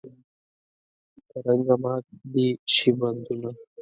کرنګه مات دې شي بندونه.